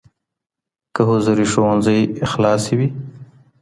که حضوري ښوونځی خلاصي وي.